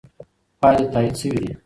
پایلې تایید شوې دي.